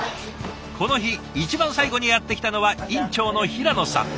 この日一番最後にやって来たのは院長の平野さん。